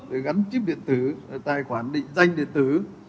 về gắn chip điện tử về tài khoản định danh điện tử